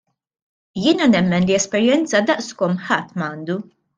Jiena nemmen li esperjenza daqskom ħadd m'għandu.